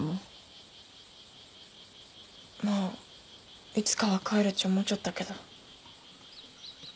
まあいつかは帰るち思ちょったけど。